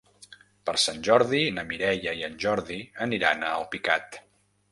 Per Sant Jordi na Mireia i en Jordi aniran a Alpicat.